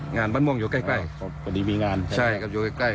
งานบ้านม่วงอยู่ใกล้ใกล้ครับพอดีมีงานใช่ครับอยู่ใกล้ใกล้